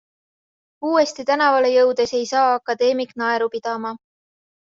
Uuesti tänavale jõudes ei saa akadeemik naeru pidama.